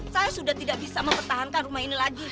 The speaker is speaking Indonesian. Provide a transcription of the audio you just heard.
saya sudah tidak bisa mempertahankan rumah ini lagi